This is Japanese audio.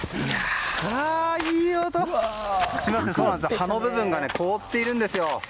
葉の部分が凍っているんですよ。